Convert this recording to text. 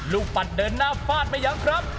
ลูกบัตรเดินหน้าฝาดไปยังครับ